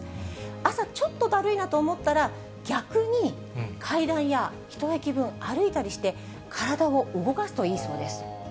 朝ちょっとだるいなと思ったら、逆に階段や１駅分歩いたりして、体を動かすといいそうです。